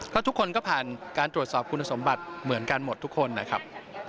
ก็ทุกคนก็ผ่านการตรวจสอบคุณสมบัติเหมือนกันหมดทุกคนนะครับ